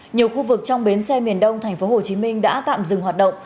nhiều khu vực trong bến xe miền đông tp hcm đã tạm dừng hoạt động